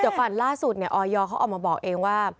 เดี๋ยวก่อนล่าสุดออยเขาออกมาบอกเองว่า